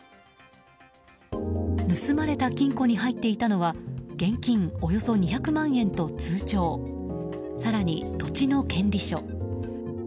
盗まれた金庫に入っていたのは現金およそ２００万円と通帳更に土地の権利書。